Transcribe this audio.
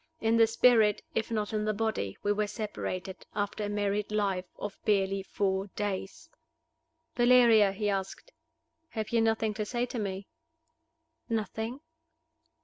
In the spirit, if not in the body, we were separated, after a married life of barely four days. "Valeria," he asked, "have you nothing to say to me?" "Nothing."